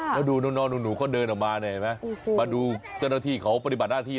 แล้วดูน้องหนูเขาเดินออกมาเนี่ยเห็นไหมมาดูเจ้าหน้าที่เขาปฏิบัติหน้าที่